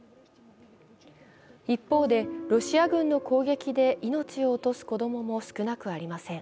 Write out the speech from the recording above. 一方で、ロシア軍の攻撃で命を落とす子供も少なくありません。